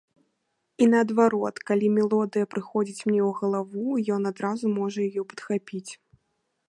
І, наадварот, калі мелодыя прыходзіць мне ў галаву, ён адразу можа яе падхапіць.